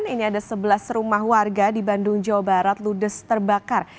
ini ada sebelas rumah warga di bandung jawa barat ludes terbakar